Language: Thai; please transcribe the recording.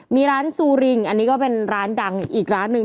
มีร้านซูริงอันนี้ก็เป็นร้านดังอีกร้านหนึ่ง